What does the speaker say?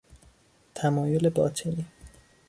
تمایل باطنی